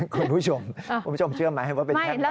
คุณผู้ชมเชื่อไหมว่าเป็นแค่ไหนกว่า